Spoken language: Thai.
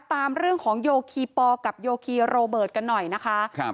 ตามเรื่องของโยคีปอลกับโยคีโรเบิร์ตกันหน่อยนะคะครับ